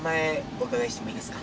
お伺いしてもいいですか？